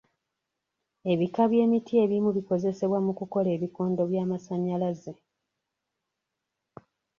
Ebika by'emiti ebimu bikozesebwa mu kukola ebikondo by'amasannyalaze.